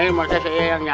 selasi selasi bangun